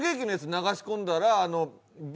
流し込んだらＢ